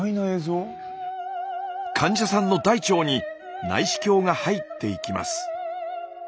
患者さんの大腸に内視鏡が入っていきます。